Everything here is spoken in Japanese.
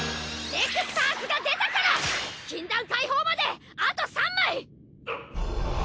レクスターズが出たから禁断解放まであと３枚！